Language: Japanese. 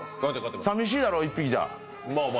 寂しいだろう、１匹じゃ。